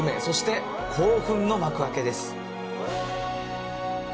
そして興奮の幕開けです。